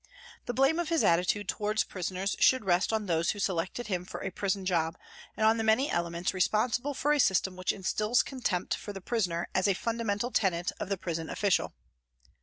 The blame of his attitude towards prisoners should rest on those who selected him for a prison job and on the many elements responsible for a system which instils contempt for the prisoner as a fundamental tenet of the prison official.